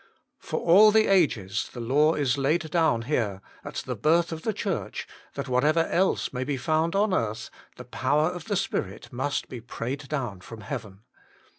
For all the ages the law is laid down here, at the birth of the Church, that whatever else may be found on earth, the power of the Spirit must be prayed down from heaven.